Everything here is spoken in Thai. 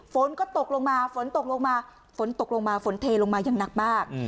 ฝนก็ตกลงมาฝนตกลงมาฝนตกลงมาฝนเทลงมาอย่างหนักมาก